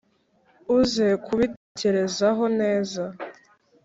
uze kubitekereza ho neza